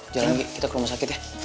jalan yuk kita ke rumah sakit ya